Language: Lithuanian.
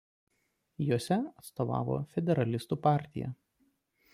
Juose atstovavo Federalistų partiją.